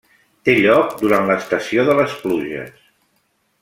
Té lloc durant l'estació de les pluges.